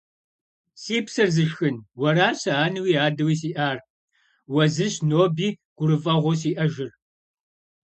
Си псэр зышхын, уэращ сэ анэуи адэуи сиӏар. Уэ зырщ ноби гурыфӏыгъуэу сиӏэжыр.